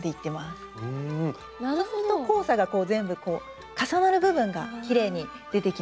そうすると交差が全部こう重なる部分がきれいに出てきます。